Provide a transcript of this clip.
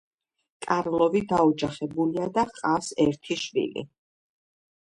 კარლოვი დაოჯახებულია და ჰყავს ერთი შვილი.